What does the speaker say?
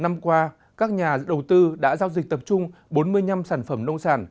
năm qua các nhà đầu tư đã giao dịch tập trung bốn mươi năm sản phẩm nông sản